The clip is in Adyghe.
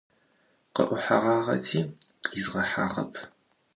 Khı'uheğağeti, khizğehağep.